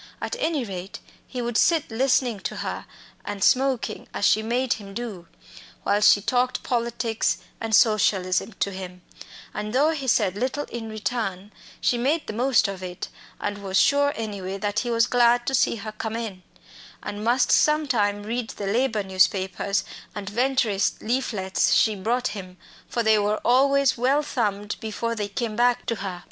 At any rate, he would sit listening to her and smoking, as she made him do while she talked politics and socialism to him; and though he said little in return, she made the most of it, and was sure anyway that he was glad to see her come in, and must some time read the labour newspapers and Venturist leaflets she brought him, for they were always well thumbed before they came back to her.